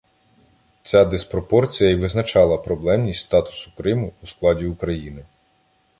Ця диспропорція і визначила проблемність статусу Криму у складі України.